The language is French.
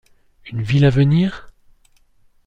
Une ville à venir ?